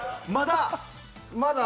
まだ？